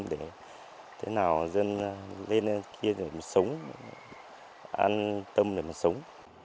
lên kia để mình sống an tâm để mình sống